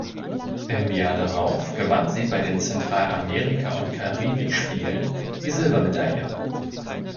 Im Jahr darauf gewann sie bei den Zentralamerika- und Karibik-Spielen die Silbermedaille.